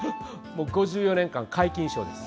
５４年間、皆勤賞です。